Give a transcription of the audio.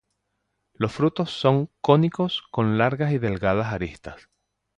Los frutos son cónicos con largas y delgadas aristas.